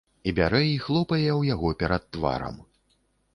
І бярэ і хлопае ў яго перад тварам.